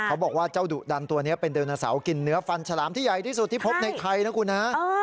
บอกว่าเจ้าดุดันตัวนี้เป็นไดโนเสาร์กินเนื้อฟันฉลามที่ใหญ่ที่สุดที่พบในไทยนะคุณฮะ